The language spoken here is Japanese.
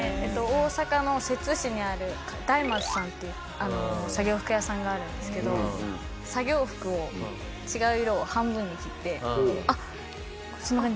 大阪の摂津市にあるだいまつさんっていう作業服屋さんがあるんですけど作業服を違う色を半分に切ってあっそんな感じです。